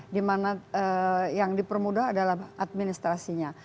dimana yang dipermudah adalah administrasinya